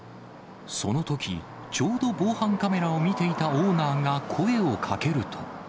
そのとき、ちょうど防犯カメラを見ていたオーナーが声をかけると。